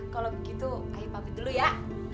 kalau begitu ayo pamit dulu ya